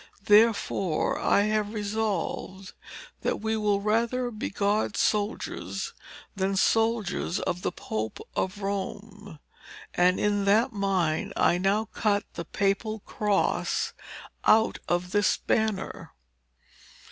Wherefore I have resolved that we will rather be God's soldiers, than soldiers of the Pope of Rome; and in that mind I now cut the Papal Cross out of this banner."